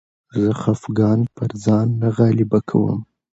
زه خپګان پر ځان نه غالبه کوم.